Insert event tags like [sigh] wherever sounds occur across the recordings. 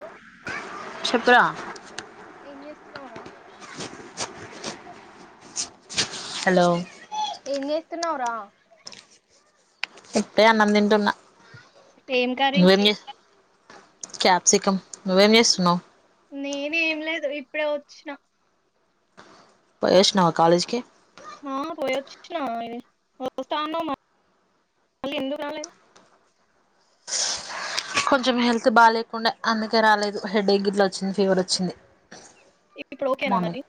Hello చెప్పు రా ఏం రా హలో ఏం చేస్తున్నావ్ రా ఇప్పుడే అన్నం తింటున్న ఏం కర్రీ క్యాప్సికమ్ నువ్వేమి చేస్తున్నావు నేనే ఏం లేదు ఇప్పుడే వచ్చిన పోయి వచ్చినవా కాలేజ్కి ఆ పోయొచ్చిన వస్తాన్నా మళ్ళీ ఎందుకు రాలేదు కొంచెం హెల్త్ బాగా లేకుండా అందుకే రాలేదు హెడ్ ఎ గట్లో వచ్చింది ఫీవర్ వచ్చింది ఇప్పుడు ఓకేనా మరి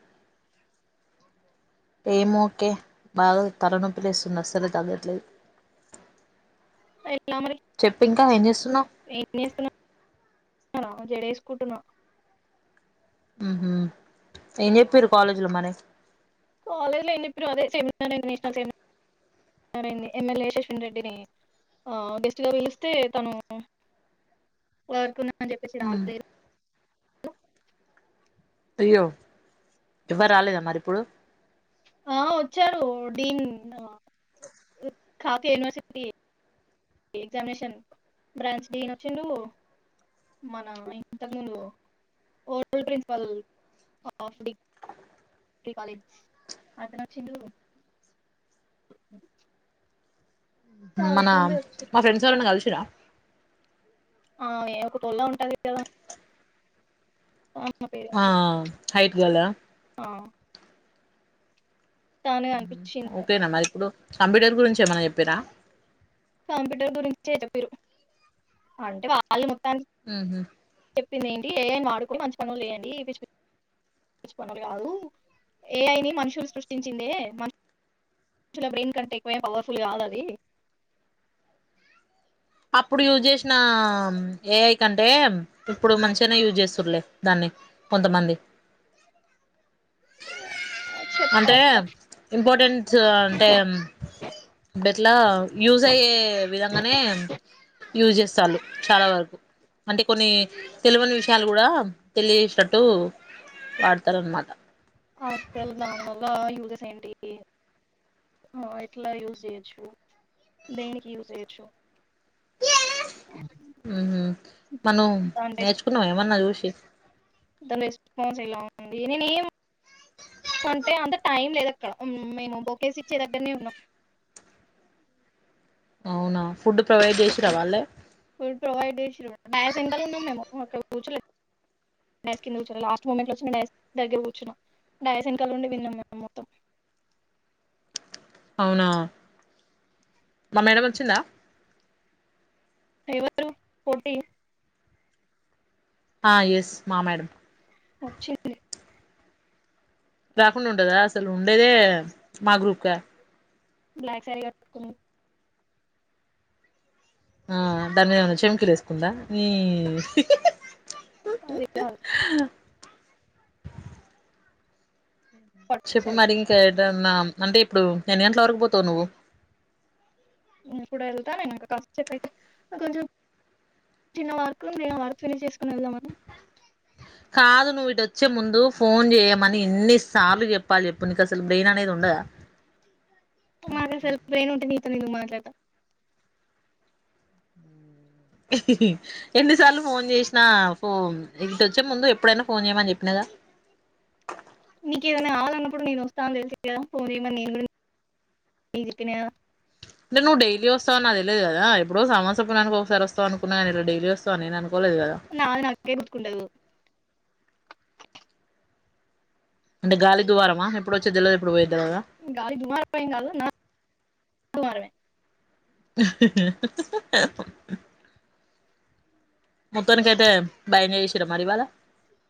ఏమోకే బాగా తలనొప్పి లేస్తుంది అస్సలే తగ్గట్లేదు ఎలా మరి చెప్పు ఇంకా ఏం చేస్తున్నావు్ జడేసుకుంటున్నా ఉహూ ఏేం చెప్పారు కాలేజీ లో మరి ఎమెలే శ్వంత రెడ్డిని గెస్ట్ గా పిలిస్తే తను వర్క్ అని చెప్పేసి రాలేదు అ అయ్యో ఎవరు రాలేదా మరి ఇప్పుడు ఆ వచ్చారు [unintelligible] యూనివర్సిటీ ఎగ్జామినేషన్ బ్రాంచ్ [unintelligible] వచ్చిడు మన ఇంతకు ముందు ఓ ప్రిన్సిపల్ [unintelligible] చాలా మన మంది వచ్చారు మా ఫ్రెండ్స్ ఎరన్నా కలిసిరా ఆ ఏ [unintelligible] ఉంటది కదా ఆమె పేరు ఆ హైట్ గర్ల్ ఆ ఆ తనే కనిపించింది ఓకేనా మరి ఇప్పుడు కంప్యూటర్ గురించి ఏమైన్నా చెప్పిరా కంప్యూటర్ గురించ చెప్పరు అంటే వాళ్ళు ఉహు ింది ఏంటి ఎ ఐ ఆడుకో మంచి పనులు లేయండి పనులు చేయండి పిచ్చి పిచ్చి పనులు కాదు ఏఐని మనుషులు సృష్టించిందే మనుషుల బ్రెయిన్ కంటే ఎక్కువే పవర్ఫుల్ కాదు అది అప్పుడు యూజ్ చేసిన ఏఐ కంటే ఇప్పుడు మంచిగానే యూజ్ చేస్తుండలే దాన్ని కొంతమంది అంటే చెప్పారు ఇంపార్టెంస్ అంటే [unintelligible] యూజ అయ్యే విధంగానే యూజ్ చేస్తారు చాలా వరకు అంటే కొన్ని తెలివని విషయాలు కూడా తెలిసినట్టు వాడతారు అనమాట అసలు దాని వల్ల యూజెస్ ఏంటి ఎట్లా యూజ చేయొచ్చు దేనికి యూజ చేయొచ్చు మను దాని బేస్ నేర్చుకున్నా ఏమన్నా చూసి [unintelligible] అంటే అంత టైం లేదు అక్క మేము బకేసి ఇచ్చే దగ్గరనే ఉన్నాప్పు అవునా ఫుడ్ ప్రొవైడ్ చేసిరా వాలే ఫుడ్ ప్రొవైడ్ [unintelligible] అవునా మా మేడం వచ్చిందా ఎవరు పోటీ ఆ ఎస్ మా మేడం ఒచ్చింది రాకుండా ఉండదా అసలు ఉండేదే మా గ్రూప్గా బ్లాక్ సారీ కట్టుకున్ ఆ దాని ఏమనా చెంకి వేసుకుందా నీ అదేఎల్ పట్టు చెప్ శారీ మరి ఇంక దన్నా అంటే ఇప్పుడు ఎన్ని గంటల వరకు పోతవు నువ్వు నేను కూడా వెళ్తా నేను కష్ట చెప్పైతే కొంచెం చిన్న వార్కు నేను వార్క్ ఫినిజ్ చేసుకుని వెళ్దాం మన్ కాదు నువ్వు ఇటోచ్చే ముందు ఫోన్ చేయమని ఇన్ని సార్లు చెప్పాలి చెప్పు నీకు అసలు బ్రెయిన్ అనేది ఉండదా మకసలు బ్రెన్ ఉంటె నీతో అందుక్ మాట్లాడతా ఎన్నిసార్లు ఫోన్ చేసినా ఫో ఇటోచ్చే ముందు ఎప్పుడైనా ఫోన్ చేయమని చెప్పినగా నీకేమన్నా కావాలన్నప్పుడు నేను వస్తా అని తెలిసి కదా ఫోన్ చేయమని నేను కూడా న చెప్పినా అంటే నువ్వు డైలీ వస్తవనీ నాకు తెలీదు కదా ఎపుడో మాస పున్నానికి ఒకసారి వస్తవనుకున్న కానీ ఇట్ల డైలీ వస్తవని నేనను నాథ్ నాకే గుర్తుకుండదు అంటేగాలి ద్వారమా ఎప్పుడు వచ్చేది తెల్వదు ఎప్పుడు పోయిది తెల్వదు గలీద్వారం ఏంకాదు నా [unintelligible] హా హా మొత్తానికి ఐతే బాగా ఎంజాయ్ చేసిర మరీ ఇవాళ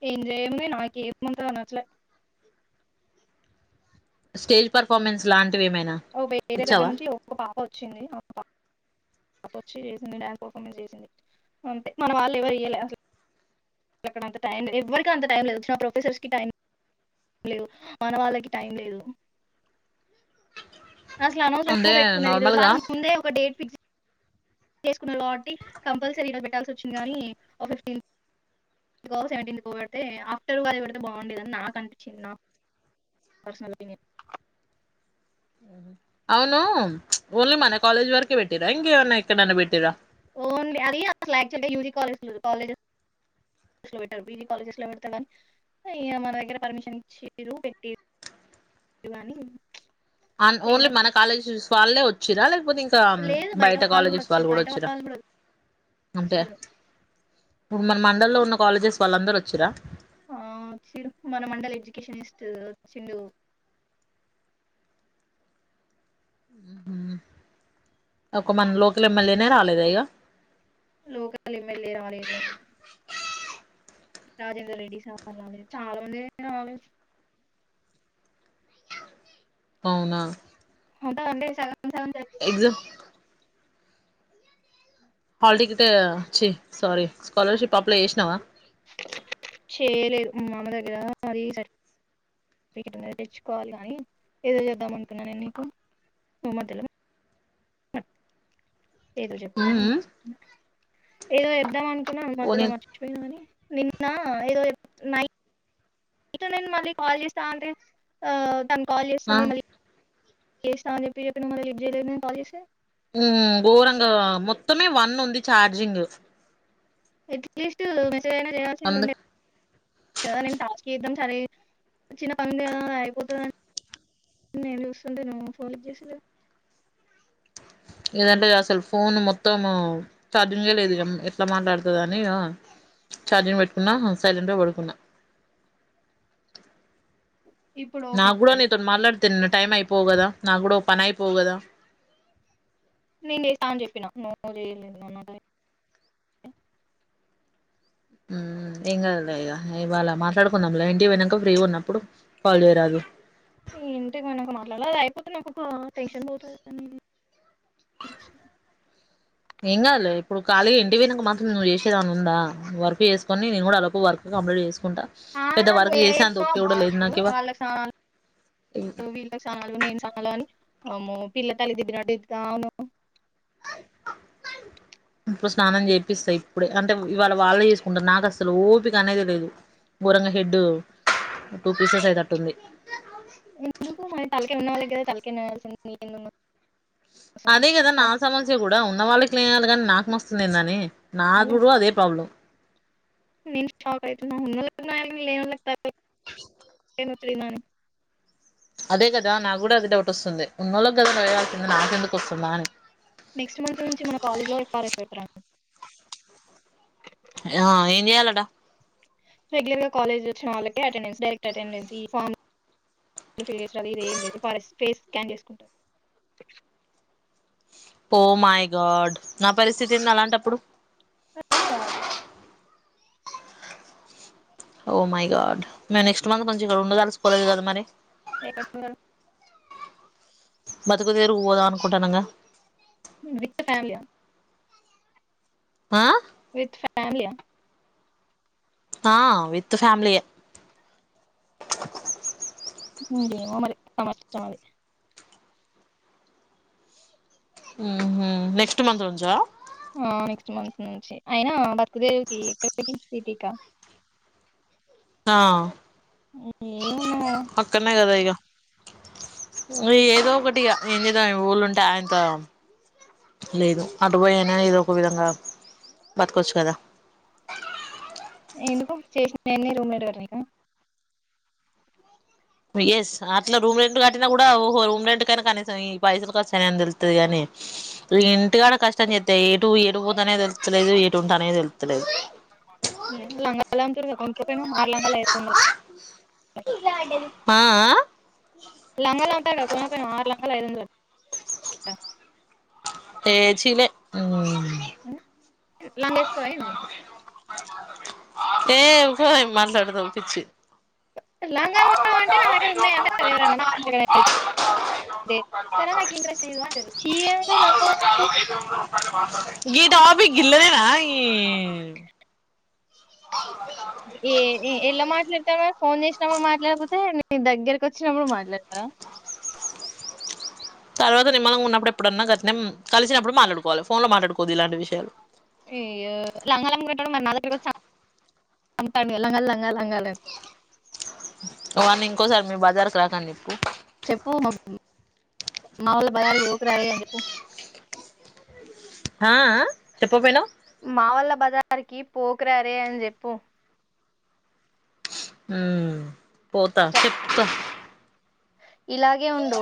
ఏమ్ చేయను నాకేమంతా గా నచ్చలే స్టేజ్ పర్ఫార్మెన్స్ లాంటి ఓ వేరే దగ్గర నుంచి ఒక్క పాప వచ్చింది ఆ పా వచ్చి చేసింది డ్యాన్స్ పర్ఫార్మెన్స్ చేసింది అంతే మన వాళ్ళు ఎవరుఇయ్యాలే అసలు అక్కడ టైం లేదు ఎవరికి అంత టైం లేదు వచ్చిన ప్రొఫెసర్స్కి టైం లేదు మన వాళ్ళకి టైం లేదు అసలు అంటే అనవసరంగా పెట్టుకున్నారు ఈ రోజు నార్మల్గా వారం ముందే ఒక డేట్ ఫిక్స్ చేసుకున్నారు కాబట్టి కంపల్సరీగా పెట్టాల్సి వచ్చింది కానీ ఫిఫ్టీన్ సెవెంటీన్ పెడితే ఆఫ్టర్ ఉగాదికి పెడితే బాగుండేదని నాకుఅనిపించింది నాకు పర్సనల్పీనియన్ అవును ఓన్లీ మన కాలేజ్ వరకే పెట్టిరాయింకా అవన్ ఎక్కడనే పెట్టిరా [unintelligible] అ ఏమ ఓన్లీ మన కాలేజీ చూ వాళ్ళే వచ్చారా లేకా పోతే కాకపోతే ఇంకా లేదు బయట కాలేజెస్ వచ్చిరు వాళ్ళు కూడా బయట వచ్చారా వాళ్ళు కూడా అంటే వచ్చిరు ఇప్పుడు మన మండల్ లో ఉన్న కాలేజెస్ వాళ్ళందరుూ వచ్చ చురా ఆ మన మండల్ ఎడ్యుకేషనిస్ట్ వ చ్చిండు ఒక మన లోకల్ ఎమ్మెల్యేనే రాలేద ఇగ లోకల్ ఎమ్మెల్యే రాలేదు రాజేందర్ రెడ్డి చాలా మంది దగ్గర [unintelligible] అవునా అంట అంటే చ ఎగ్జామ్ హల్లటికెట్ చి సారీ స్కాలర్షిప్ అప్లై చేసినవా చేయలేదు మా మామ దగ్గర మరి సర్టిఫికెట్ ఉంది తెచ్చుకోవాలి కానీ నినే చేద్దామ అనుకున్న నేను నీకు ఏమో ఏదో చెప్పిన ఉమ్ ఉమ్ [unintelligible] ఏదో చెప్ధం అనుకు పోనీ [unintelligible] నా ఏదో [unintelligible] ఇక నేను మళ్ళీ కాల్ చేస్తా అంటే ఆ తాన్ కాల్ ఆ చేస్తుది మలీ చేస్తా అని చెప్పి మళ్ళ లిఫ్ట్ చేయలేదే కాల్ చేస్తే మ్ గొరంగా మొత్తమే వన్ ఉంది చార్జింగ్ [unintelligible] అందు [unintelligible] టాస్క్ [unintelligible] సరే చిన్న పని అయిపోతుందిని నేను చూస్తుంది నువ్వు ఫోన్ ఇచ్చే ఏదంటే అసలు ఫోన్ మొత్తము ఛార్జింగే లేదు ఎట్లా మాట్లాడుతది ఇగ ఛార్జింగ్ పెట్టుకున్న సైలెంట్గా పడుకున్నా ఇప్పుడు నా ఓకే కూడా అన్నది. నీతిని మాట్లాడి [unintelligible] టైమ్ పో గదా నా కూడా ఓ పని అయిపోగదా నేను చేస్తా అని చెప్పినా నువ్ [unintelligible] ఏం కదలే ఇగ ఇవాళ మాట్లాడుకుందాంలె ఇంటి పోనాక ఫ్రీ ఉన్నప్పుడు కాల్ చేయరాదు ఏంటిమనా ఒక మాట్లాడలే అయిపోతే నాకు ఒక టెన్షన్ పోతది ఏం కాదు లె ఇప్పుడు ఖాళిగా ఇంటివిక మాత్రం నువ్ చేసేది ఏమన ఉందా వర్క్ ఎసుకొని నేను కూడా అ లోపు వర్క్ కంప్లీట్ చేసుకో ఆ నేరేస్తమ్ లేదు వాళ్ళకు నాకు ఇవాళ వాళ్ళకి వీళ్ళకి చలు నేను చలు అని అమ్మో పిల్ల తల్లి తిట్టినటు తిడత ఉన్నవ్ ఇప్పుడు స్నానం చేపిస్తా ఇప్పుడే అంటే ఇవాళ వాళ్ళే చేసుకుంటారు నాకు అసలు ఓపిక అనేది లేదు గొరంగ హెడ్ టూ పీసెస్ అయితట్టుంది ఎందుకు మయ్ త న్నగద తల [unintelligible] అదే కదా నా సమస్య కూడా ఉన్న వాళ్ క్లే కానీ నాకు నోస్తుంది ఎందని నా అదే గుడు అదె ప్రాబ్లం నేను షాక్ అయితున్న ఉనో లకి త లేనో లకి ఏమతునలి కానీ అదే కదా నా కూడా అది డౌట్ వస్తుంది ఉన్నోళ్ళకి కదా నయాల్సింద నాకెందుకు వస్తుందా అని నెక్స్ట్ మంత్ నుంచి మన కాలేజ్ లో కూడా ఎఫార సత్ర్రా ఆ ఎం చేయాలట రెగ్యులర్ గా కాలేజీ వచ్చిన వాళ్ళక అటెండెన్ డైరెక్ట్ అటెండెన్స్ ఫ ఇం లేదు ఫేస్ స్కాన్ చేకుంట పో మై గాడ్ నా పరిస్థితి ఏంది అలాంటప్పుడు రావాలి ఓ మై గాడ్ ఇంగ నెక్స్ట్ మంత్ నుంచి ఇక్కడ ఉడాస్కాల కద మరి ఎకడున్నర్ బతుకుదేరుకు పోదాం అనుకుంటానంగా [unintelligible] ఆ విత్ ఫ్యామిలి హా ఆ విత్ ఫ్యామిలీ ఏ మ మరి సమ మరి నెక్స్ట్ మంత్ నుంచా ఆ నెక్స్ట్ మంత్ నుంచి అయినా కుదేవు ఎక్కడ సిటికా ఆ ఏవునా అక్కనే కదా ఇక ఇ ఏదో ఒకటి ఇగ ఏం చేదాం ఆ ఊళ్ళుంటే ఆయంత లేదు అటు పోయినని ఏదో ఒక విధంగా బతకొచ్చు కదా ఎందుకు చేసిన ఎన్నన్ని రూమ్ లేడవారు నీక ఎస్ అట్లా రూమ్ రెంట్ కట్టినా కూడా ఓహో రూమ్ రెంట్ కైనా కనీసం ఈ పైసలు కార్చాయని తెలుస్తదిగాని ఇంటికా కష్టం చెప్స్తా ఏటు ఏటు పోత అనేది తెలుతలేదు ఏటు ఉంటాయో అనేది తెలుస్తలేదు లంగాల అ ఎపో మారలా కదు [unintelligible] ఆ ఆ లంగల్ ఉంటాకా పోన పో ఆరు లంగల అందలే [unintelligible] ఏ చీనే లంగేజకోంది [unintelligible] ఏ ఉకోవే ఎం మాట్లాడదాం అనిపించి లంగా అంటే నా దగ్గర ఉన్నాయింటేవర అదేరా నాకు ఇె అ చీ లంగా [unintelligible] విగీల ల్లేనా ఈ ఓే ఏ ఎలా మాట్లాడతా వే ఫోన్ చేసినప్పుడు మాట్లాడకపోతే నే దగ్గరకు వచ్చినప్పుడు మాట్లాడతా తర్వాత నిమ్మలం ఉన్నప్పుడు ఎప్పుడన్నా గత్నం కలిసినప్పుడు మాట్లాడుకోవాలి ఫోన్ లో మాట్లాడుకోవద్దు ఇలాంటి విషయాలు అయ్యో లంగాల అని నా దగ్గరకి వచ్చి [unintelligible] అమ్ముతాడు మే లంగాలు లంగాలు లంగాలు అని అవ్వన్నా ఇంకోసారి మీ బజారుకు రాకండి చెప్పు మా వాళ్ళు బజారుకి పోకు రా రేయ్ అని చెప్పు ఆ ఆ చెప్పకపోయినావ్ జారికి పోకురా రేయ్ అని చెప్పు ఉ పోతా చెప్ చెప్తా ఇలాగే ఉండు